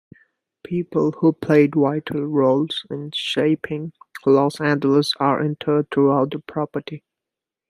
People who played vital roles in shaping Los Angeles are interred throughout the property.